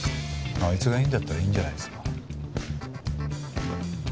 あいつがいいんだったらいいんじゃないですか。